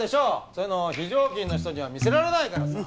そういうの非常勤の人には見せられないからさ。